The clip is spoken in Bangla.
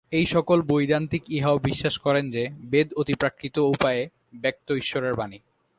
এই-সকল বৈদান্তিক ইহাও বিশ্বাস করেন যে, বেদ অতিপ্রাকৃত উপায়ে ব্যক্ত ঈশ্বরের বাণী।